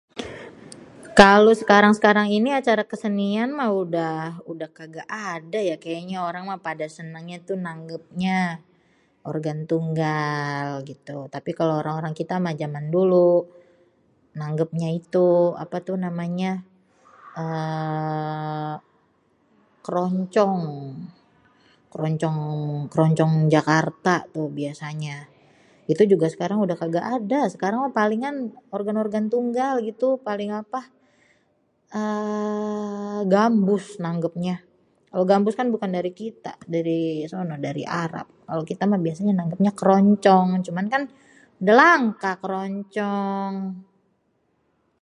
Kalo sekarang-sekarang ini acara kesenian mah udah, udah kagak ada ya kayaknya. Orang mah sukanya nanggépnya organ tunggal gitu. Tapi kalo orang-orang kita mah jaman dulu nanggepnya itu apa tu namanya éééé kéroncong, kéroncong, kéroncong Jakarta tuh biasanya. Itu juga sekarang udah kagak ada. Sekarang mah palingan organ-organ tunggal gitu paling apa eee gambus nanggepnya. Kalo gambus bukan dari kita, dari sono dari Arab. Kalo kita mah biasanya kéroncong cuma kan udah langka kéroncong.